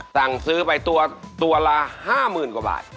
สั่งซื้อไปตัวละ๕๐๐๐กว่าบาท